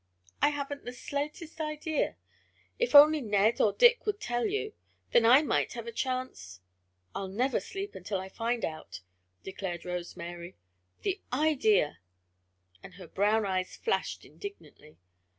"I haven't the slightest idea. If only Ned or Dick would tell you then I might have a chance " "I'll never sleep until I find out!" declared Rose Mary. "The idea!" and her brown eyes flashed indignantly.